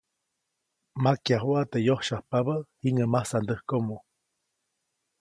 Makyajuʼa teʼ yosyajpabä jiŋäʼ masandäjkomo.